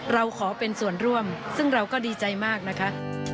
เราขอเป็นส่วนร่วมซึ่งเราก็ดีใจมากนะคะ